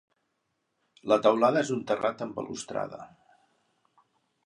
La teulada és un terrat amb balustrada.